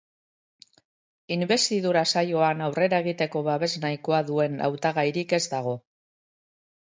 Inbestidura saioan aurrera egiteko babes nahikoa duen hautagairik ez dago.